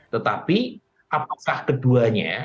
tetapi apakah keduanya